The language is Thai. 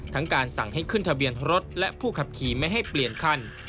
การสั่งให้ขึ้นทะเบียนรถและผู้ขับขี่ไม่ให้เปลี่ยนคัน